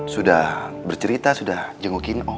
sudah bercerita sudah jengukin